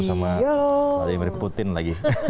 pada vladimir putin lagi